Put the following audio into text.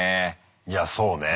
いやそうね。